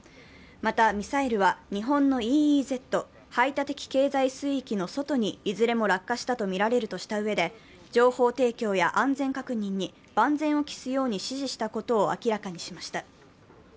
また、ミサイルは日本のＥＥＺ＝排他的経済水域の外にいずれも落下したとみられるとしたうえで、情報提供や安全確認に万全を期すように指示したことを明らかにしました。